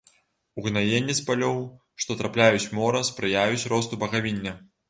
Угнаенні з палёў, што трапляюць у мора, спрыяюць росту багавіння.